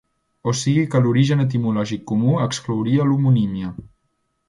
O sigui que l'origen etimològic comú exclouria l'homonímia.